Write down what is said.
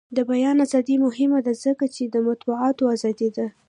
د بیان ازادي مهمه ده ځکه چې د مطبوعاتو ازادي ده.